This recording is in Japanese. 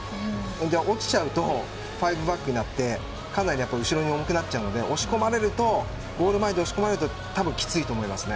落ちちゃうと５バックになってかなり後ろに重くなっちゃうので押し込まれるとゴール前で押し込まれるとたぶんきついと思いますね。